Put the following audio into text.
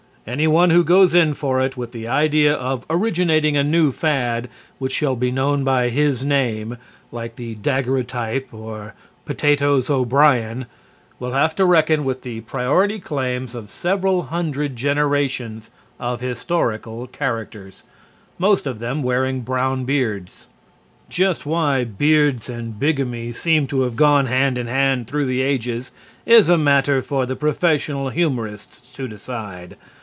Anyone who goes in for it with the idea of originating a new fad which shall be known by his name, like the daguerreotype or potatoes O'Brien, will have to reckon with the priority claims of several hundred generations of historical characters, most of them wearing brown beards. Just why beards and bigamy seem to have gone hand in hand through the ages is a matter for the professional humorists to determine.